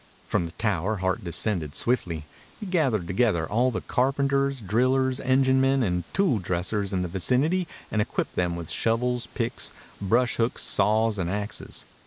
From the tower Hart descended swiftly. He gathered together all the carpenters, drillers, enginemen, and tool dressers in the vicinity and equipped them with shovels, picks, brush hooks, saws, and axes.